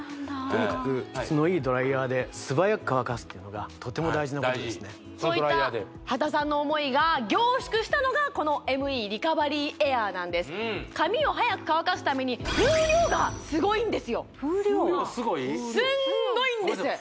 とにかく質のいいドライヤーで素早く乾かすというのがとても大事なことですねそういった波多さんの思いが凝縮したのがこのＭＥリカバリーエアーなんです髪をはやく乾かすために風量がすごいんですよ風量すごい？